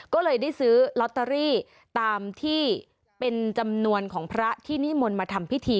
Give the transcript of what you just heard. ก็เลยได้ซื้อลอตเตอรี่ตามที่เป็นจำนวนของพระที่นิมนต์มาทำพิธี